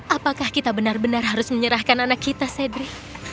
apakah kita benar benar harus menyerahkan anak kita sedri